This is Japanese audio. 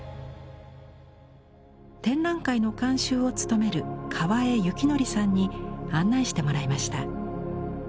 展覧会の監修を務める河江肖剰さんに案内してもらいました。